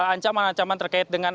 ancaman ancaman terkait dengan